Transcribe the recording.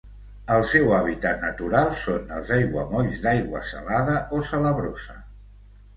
El seu hàbitat natural són els aiguamolls d'aigua salada o salabrosa.